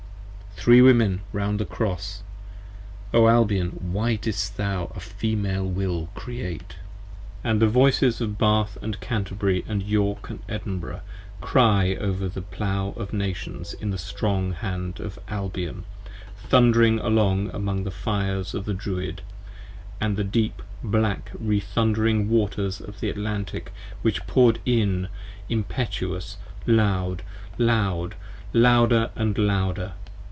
Three Women around 43 The Cross! O Albion why didst thou a Female Will Create? p. 57 AND the voices of Bath & Canterbury & York & Edinburgh, Cry Over the Plow of Nations in the strong hand of Albion, thundering along Among the Fires of the Druid & the deep black rethundering Waters Of the Atlantic which poured in impetuous loud, loud, louder & louder.